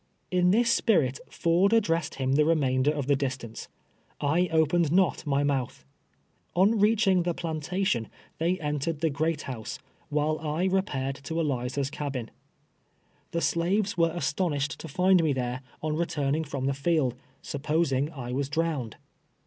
In this spirit Ford addressed him the remainder of the distance. I opened not my mouth. On reaching the plantation they entered the great house, while I repaired to Eliza's cabin. Tlie slaves were astonish ed to find me there, on returning from the field, sup posing I was drowned.